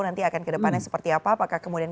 nanti akan ke depannya seperti apa apakah kemudian